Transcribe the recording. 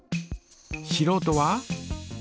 しろうとは？